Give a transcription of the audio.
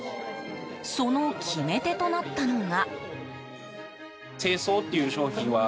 その決め手となったのは。